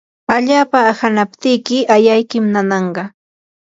allapa ahanaptiki ayaykim nananqa.